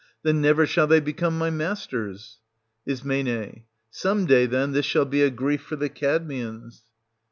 Then never shall they become my masters. Is. Some day, then, this shall be a grief for the Cadmeans.